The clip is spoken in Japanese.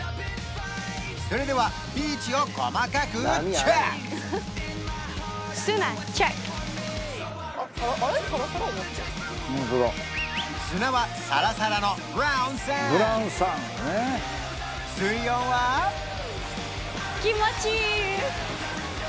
それではビーチを細かくチェック砂は気持ちいい